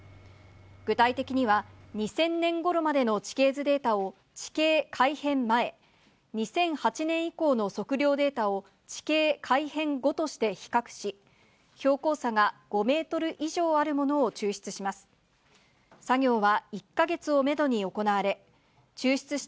具体的には、２０００年ごろまでの地形図データを地形改変前、２００８年以降の測量データを地形改変後として比較し、標高差が全国の皆さん、こんにちは。